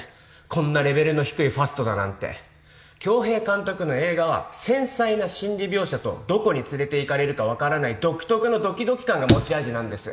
こんなレベルの低いファストだなんて恭兵監督の映画は繊細な心理描写とどこに連れていかれるか分からない独特のドキドキ感が持ち味なんです